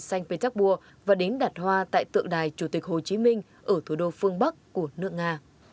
xanh petersburg và đến đặt hoa tại tượng đài chủ tịch hồ chí minh ở thủ đô phương bắc của nước nga